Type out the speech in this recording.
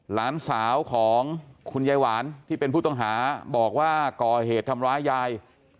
หลานสาวของคุณยายหวานที่เป็นผู้ต้องหาบอกว่าก่อเหตุทำร้ายยาย